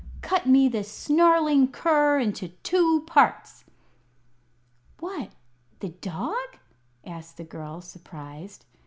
Cut me this snarling cur into two parts!" "What, the dog?" asked the girl, surprised.